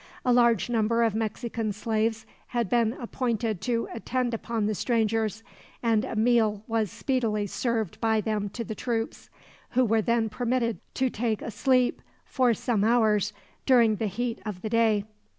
A large number of Mexican slaves had been appointed to attend upon the strangers, and a meal was speedily served by them to the troops, who were then permitted to take a sleep, for some hours, during the heat of the day.